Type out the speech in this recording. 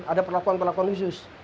ada perlakuan perlakuan khusus